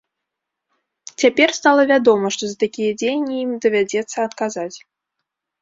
Цяпер стала вядома, што за такія дзеянні ім давядзецца адказаць.